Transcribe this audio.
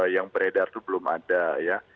yang beredar itu belum ada ya